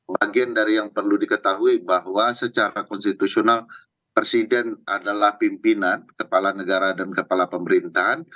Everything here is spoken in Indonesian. bagian dari yang perlu diketahui bahwa secara konstitusional presiden adalah pimpinan kepala negara dan kepala pemerintahan